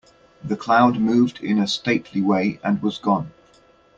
The cloud moved in a stately way and was gone.